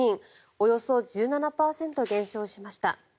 およそ１７％減少しました。